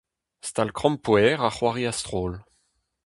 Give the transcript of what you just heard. Stal-krampouezh ha c'hoari a-stroll.